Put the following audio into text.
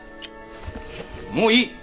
もういい！